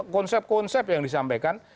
konsep konsep yang disampaikan